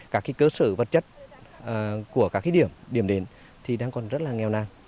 các cái cơ sở vật chất của các cái điểm điểm đến thì đang còn rất là nghèo nàng